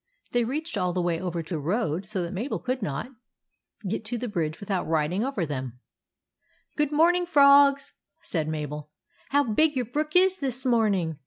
They reached all the way over the road so that Mabel could not 36 THE ADVENTURES OF MABEL get to the bridge without riding over them. " Good morning, frogs," said Mabel. u How big your brook is this morning